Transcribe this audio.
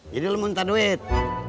jadi lo muntah duit